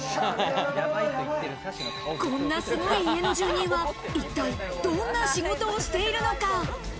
こんなすごい家の住人は一体どんな仕事をしているのか。